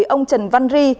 ông trần văn ri